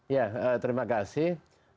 ya terima kasih